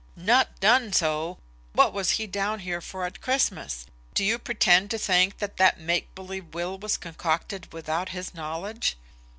"Not done so! What was he down here for at Christmas? Do you pretend to think that that make believe will was concocted without his knowledge?"